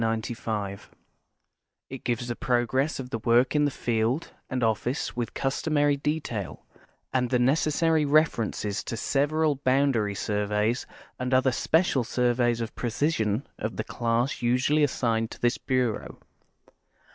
It gives the progress of the work in the field and office with the customary detail, and the necessary references to several boundary surveys and other special surveys of precision of the class usually assigned to this bureau.